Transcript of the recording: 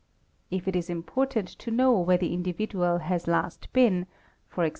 If it is important to know where the individual — has last been, e.g.